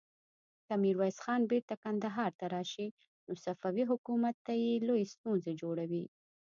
که ميرويس خان بېرته کندهار ته راشي، نو صفوي حکومت ته لويې ستونزې جوړوي.